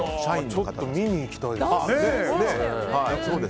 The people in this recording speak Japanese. ちょっと見に行きたいですね。